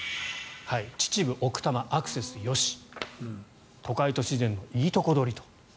秩父、奥多摩、アクセスよし都心と自然のいいとこ取り。